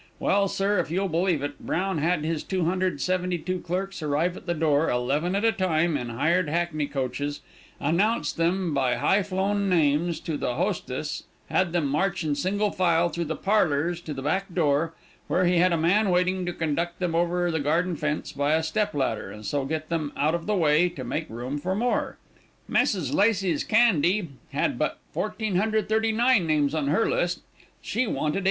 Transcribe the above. Well, sir, if you'll believe it, Brown had his 272 clerks arrive at the door, eleven at a time, in hired hackney coaches, announced them, by high flown names, to the hostess, had them march in single file through the parlors to the back door, where he had a man waiting to conduct them over the garden fence by a step ladder, and so get them out of the way to make room for more. "Mrs. Lassiz Candee had but 1439 names on her list; she wanted 1800.